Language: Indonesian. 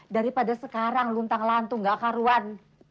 daripada sekarang luntang lantu nggak karuan